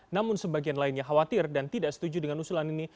namun sebagian lainnya khawatir dan tidak setuju dengan usulan ini